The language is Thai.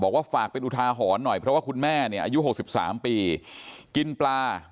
ว่าฝากเป็นอุทาหรณ์หน่อยเพราะว่าคุณแม่เนี่ยอายุ๖๓ปีกินปลา